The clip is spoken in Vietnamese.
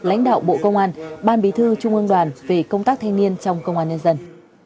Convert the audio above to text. lãnh đạo bộ công an ban bí thư trung ương đoàn về công tác thanh niên trong công an nhân dân